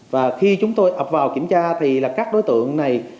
và khi chúng tôi ập vào kiểm tra thì là các đối tượng này